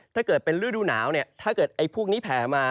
ถ้าเกิดเป็นฤดูหนาวถ้าเกิดพวกนี้แผ่มา